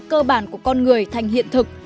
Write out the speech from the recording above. cơ bản của con người thành hiện thực